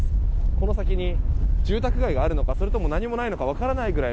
この先に住宅街があるのかそれと何もないのか分からないくらい